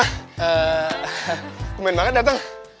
kumen banget dateng